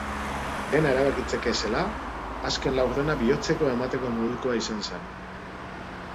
Dena erabakitzeke zela, azken laurdena bihotzekoa emateko modukoa izan zen.